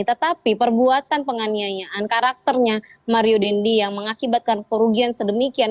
tetapi perbuatan penganiayaan karakternya mario dendi yang mengakibatkan kerugian sedemikian